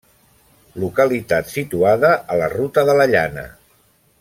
Localitat situada a la Ruta de la Llana.